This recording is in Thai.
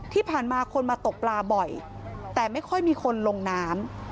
ที่ผ่านมาคนมาตกปลาบ่อยแต่ไม่ค่อยมีคนลงน้ำ